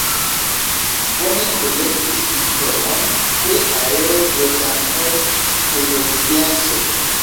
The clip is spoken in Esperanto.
Oni kolektis informon pri areo, loĝantaro kaj loĝdenso.